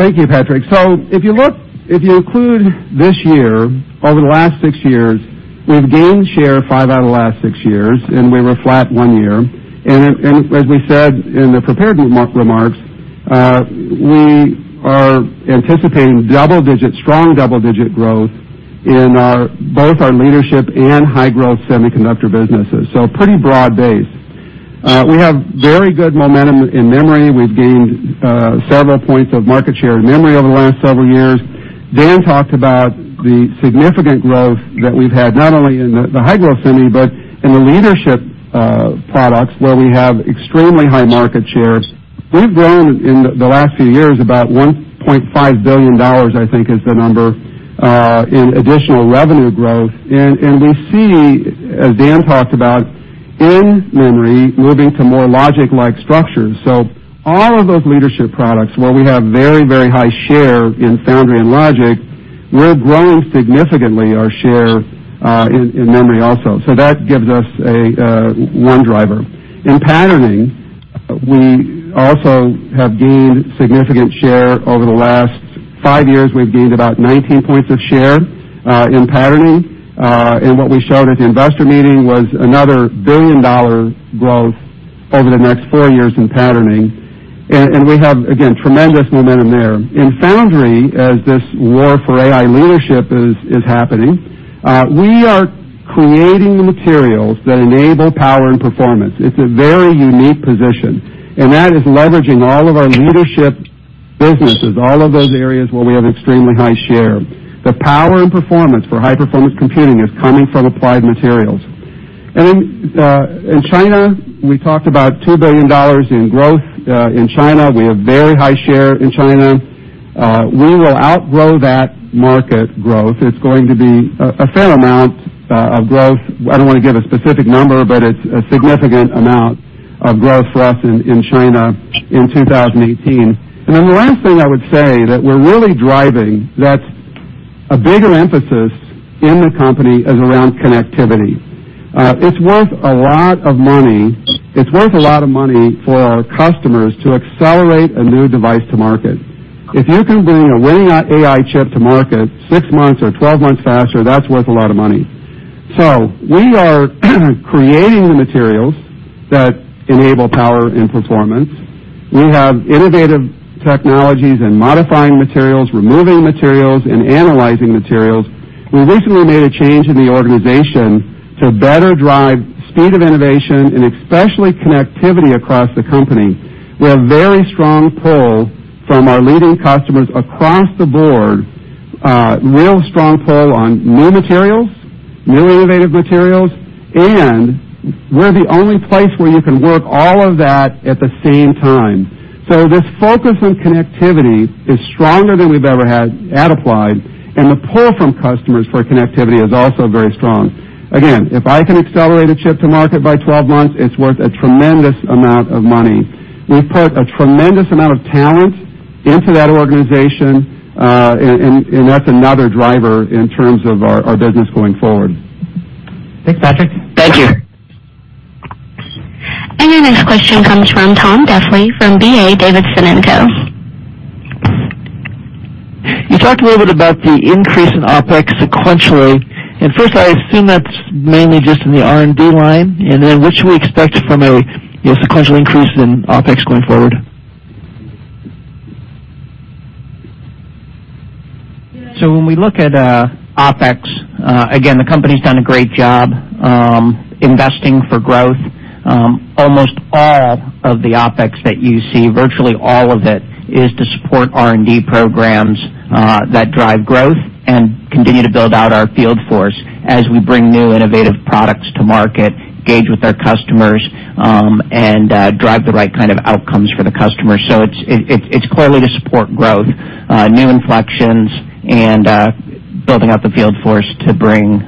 Thank you, Patrick. If you include this year, over the last six years, we've gained share five out of the last six years, and we were flat one year. As we said in the prepared remarks, we are anticipating strong double-digit growth in both our leadership and high-growth semiconductor businesses. Pretty broad base. We have very good momentum in memory. We've gained several points of market share in memory over the last several years. Dan talked about the significant growth that we've had, not only in the high-growth semi, but in the leadership products, where we have extremely high market shares. We've grown in the last few years, about $1.5 billion, I think is the number, in additional revenue growth. We see, as Dan talked about, in memory, moving to more logic-like structures. All of those leadership products, where we have very, very high share in foundry and logic, we're growing significantly our share in memory also. That gives us one driver. In patterning, we also have gained significant share over the last five years. We've gained about 19 points of share in patterning. What we showed at the investor meeting was another billion-dollar growth over the next four years in patterning, and we have, again, tremendous momentum there. In foundry, as this war for AI leadership is happening, we are creating the materials that enable power and performance. It's a very unique position, and that is leveraging all of our leadership businesses, all of those areas where we have extremely high share. The power and performance for high-performance computing is coming from Applied Materials. In China, we talked about $2 billion in growth. In China, we have very high share in China. We will outgrow that market growth. It's going to be a fair amount of growth. I don't want to give a specific number, but it's a significant amount of growth for us in China in 2018. The last thing I would say that we're really driving that's a bigger emphasis in the company is around connectivity. It's worth a lot of money for our customers to accelerate a new device to market. If you can bring a winning AI chip to market six months or 12 months faster, that's worth a lot of money. We are creating the materials that enable power and performance. We have innovative technologies and modifying materials, removing materials, and analyzing materials. We recently made a change in the organization to better drive speed of innovation and especially connectivity across the company. We have very strong pull from our leading customers across the board, real strong pull on new materials, new innovative materials, and we're the only place where you can work all of that at the same time. This focus on connectivity is stronger than we've ever had at Applied, and the pull from customers for connectivity is also very strong. Again, if I can accelerate a chip to market by 12 months, it's worth a tremendous amount of money. We've put a tremendous amount of talent into that organization, and that's another driver in terms of our business going forward. Thanks, Patrick. Thank you. Your next question comes from Tom Diffely from D.A. Davidson. You talked a little bit about the increase in OpEx sequentially, first, I assume that's mainly just in the R&D line. Then what should we expect from a sequential increase in OpEx going forward? When we look at OpEx, again, the company's done a great job investing for growth. Almost all of the OpEx that you see, virtually all of it, is to support R&D programs that drive growth and continue to build out our field force as we bring new innovative products to market, engage with our customers, and drive the right kind of outcomes for the customer. It's clearly to support growth, new inflections, and building out the field force to bring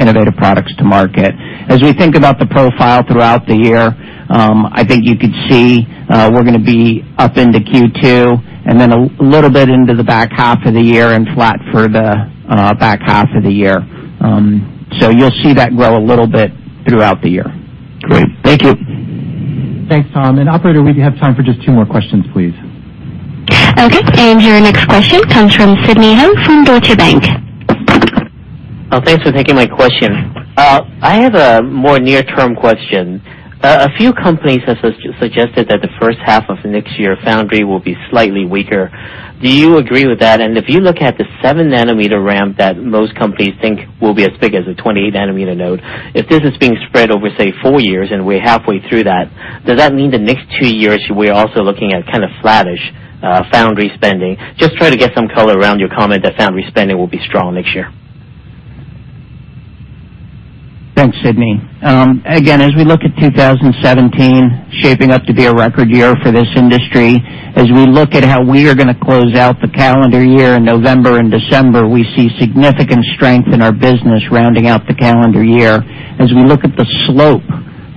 innovative products to market. As we think about the profile throughout the year, I think you could see we're going to be up into Q2, and then a little bit into the back half of the year, and flat for the back half of the year. You'll see that grow a little bit throughout the year. Great. Thank you. Thanks, Tom. Operator, we have time for just two more questions, please. Okay. Your next question comes from Sidney Ho from Deutsche Bank. Thanks for taking my question. I have a more near-term question. A few companies have suggested that the first half of next year, foundry will be slightly weaker. Do you agree with that? If you look at the seven-nanometer ramp that most companies think will be as big as a 28-nanometer node, if this is being spread over, say, four years, and we're halfway through that, does that mean the next two years, we're also looking at kind of flattish foundry spending? Just try to get some color around your comment that foundry spending will be strong next year. Thanks, Sidney. As we look at 2017 shaping up to be a record year for this industry, as we look at how we are going to close out the calendar year in November and December, we see significant strength in our business rounding out the calendar year. As we look at the slope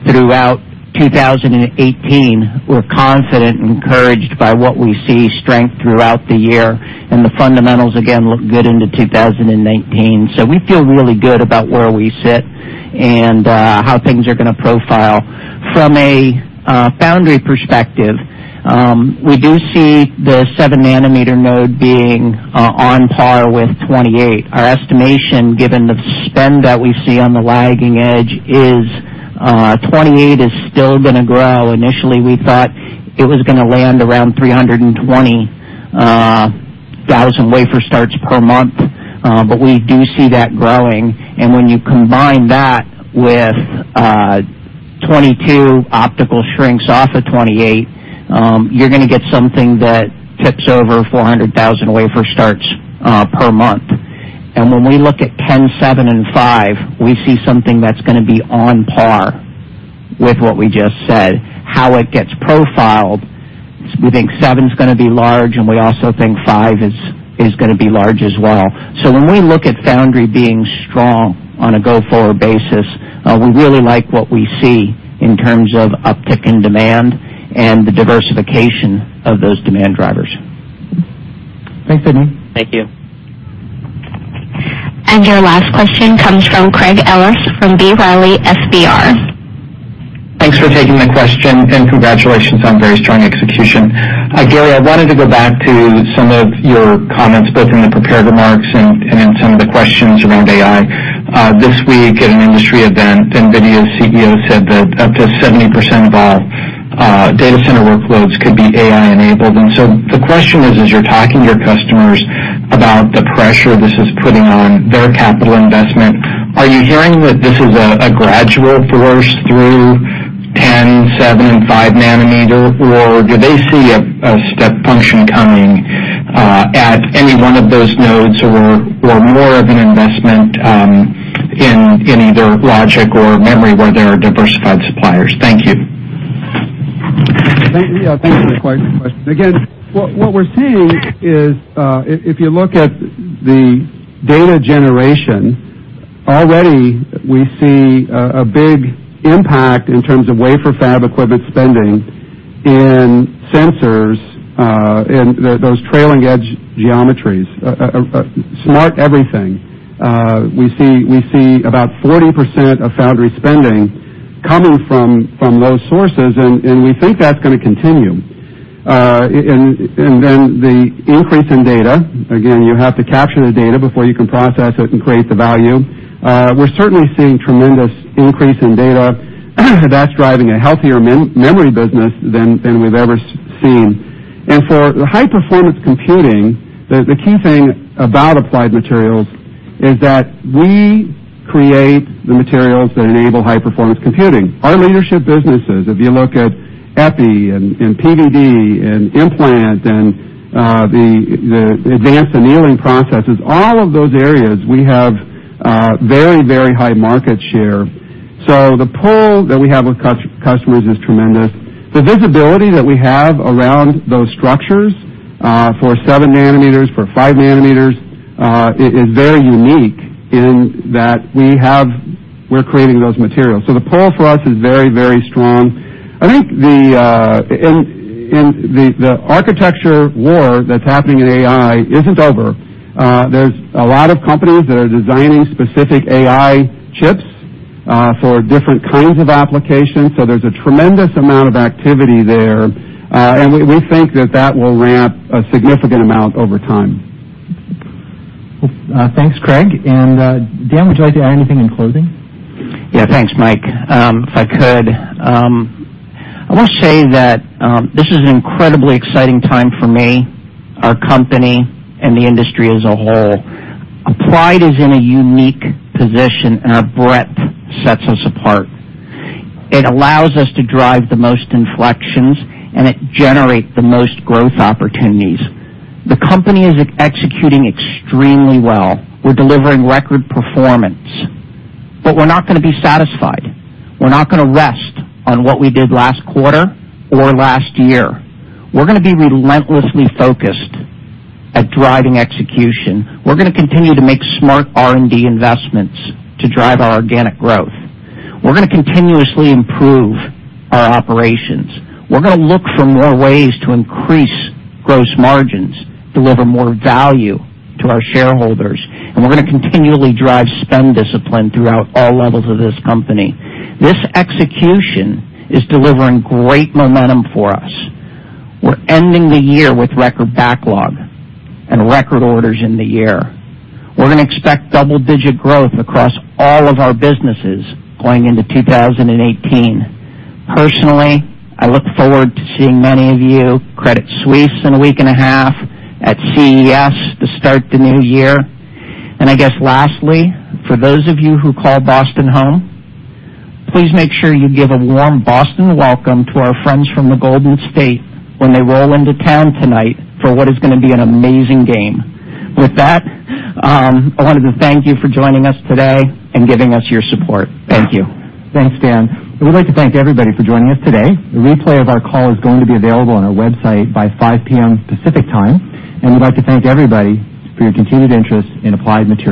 throughout 2018, we're confident and encouraged by what we see, strength throughout the year. The fundamentals, again, look good into 2019. We feel really good about where we sit and how things are going to profile. From a foundry perspective, we do see the 7-nanometer node being on par with 28. Our estimation, given the spend that we see on the lagging edge, is 28 is still going to grow. Initially, we thought it was going to land around 320,000 wafer starts per month. We do see that growing, and when you combine that with 22 optical shrinks off of 28, you're going to get something that tips over 400,000 wafer starts per month. When we look at 10, 7, and 5, we see something that's going to be on par with what we just said. How it gets profiled, we think 7's going to be large, and we also think 5 is going to be large as well. When we look at foundry being strong on a go-forward basis, we really like what we see in terms of uptick in demand and the diversification of those demand drivers. Thanks, Sidney. Thank you. Your last question comes from Craig Ellis from B. Riley FBR. Thanks for taking my question, congratulations on very strong execution. Gary, I wanted to go back to some of your comments, both in the prepared remarks and in some of the questions around AI. This week, at an industry event, NVIDIA's CEO said that up to 70% of all data center workloads could be AI-enabled. The question is: As you're talking to your customers about the pressure this is putting on their capital investment, are you hearing that this is a gradual force through 10, seven, and five nanometer, or do they see a step function coming at any one of those nodes or more of an investment in either logic or memory where there are diversified suppliers? Thank you. Thanks for the question. What we're seeing is, if you look at the data generation, already we see a big impact in terms of wafer fab equipment spending in sensors, in those trailing-edge geometries, smart everything. We see about 40% of foundry spending coming from those sources, we think that's going to continue. The increase in data, again, you have to capture the data before you can process it and create the value. We're certainly seeing tremendous increase in data that's driving a healthier memory business than we've ever seen. For high-performance computing, the key thing about Applied Materials is that we create the materials that enable high-performance computing. Our leadership businesses, if you look at EPI and PVD and implant and the advanced annealing processes, all of those areas, we have very high market share. The pull that we have with customers is tremendous. The visibility that we have around those structures for seven nanometers, for five nanometers, is very unique in that we're creating those materials. The pull for us is very strong. I think the architecture war that's happening in AI isn't over. There's a lot of companies that are designing specific AI chips for different kinds of applications, there's a tremendous amount of activity there, we think that that will ramp a significant amount over time. Thanks, Craig. Dan, would you like to add anything in closing? Yeah, thanks, Mike. If I could, I want to say that this is an incredibly exciting time for me, our company, and the industry as a whole. Applied is in a unique position, our breadth sets us apart. It allows us to drive the most inflections, it generates the most growth opportunities. The company is executing extremely well. We're delivering record performance. We're not going to be satisfied. We're not going to rest on what we did last quarter or last year. We're going to be relentlessly focused at driving execution. We're going to continue to make smart R&D investments to drive our organic growth. We're going to continuously improve our operations. We're going to look for more ways to increase gross margins, deliver more value to our shareholders, we're going to continually drive spend discipline throughout all levels of this company. This execution is delivering great momentum for us. We're ending the year with record backlog and record orders in the year. We're going to expect double-digit growth across all of our businesses going into 2018. Personally, I look forward to seeing many of you, Credit Suisse in a week and a half, at CES to start the new year. I guess lastly, for those of you who call Boston home, please make sure you give a warm Boston welcome to our friends from the Golden State when they roll into town tonight for what is going to be an amazing game. With that, I wanted to thank you for joining us today and giving us your support. Thank you. Thanks, Dan. We would like to thank everybody for joining us today. A replay of our call is going to be available on our website by 5:00 P.M. Pacific Time, we'd like to thank everybody for your continued interest in Applied Materials.